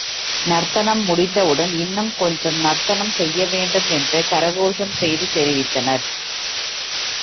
நர்த்தனம் முடிந்தவுடன், இன்னும் கொஞ்சம் நர்த்தனம் செய்யவேண்டும் என்று கரகோஷம் செய்து தெரிவித்தனர்.